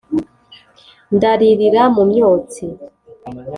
ndaririra mu myotsi